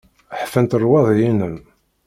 Ḥfant rrwaḍi-inem.